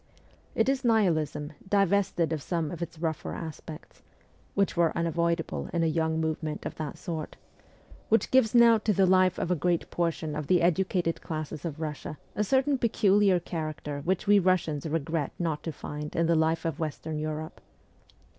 It is Nihilism, divested of some of its rougher aspects which were unavoidable in a young movement of that sort which gives now to the life of a great portion of the educated classes of Russia a certain peculiar character which we Russians regret not to find in the life of western Europe.